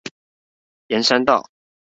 沿山道